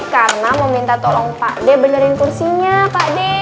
karena mau minta tolong pakde benerin kursinya pakde